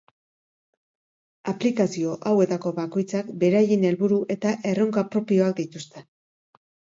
Aplikazio hauetako bakoitzak beraien helburu eta erronka propioak dituzte.